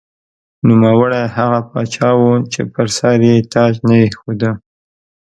نوموړی هغه پاچا و چې پر سر یې تاج نه ایښوده.